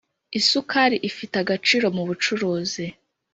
Isukari ifite agaciro mu bucuruzi